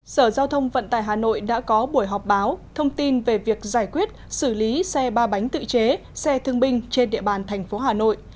sở giao thông vận tải hà nội đã có buổi họp báo thông tin về việc giải quyết xử lý xe ba bánh tự chế xe thương binh trên địa bàn thành phố hà nội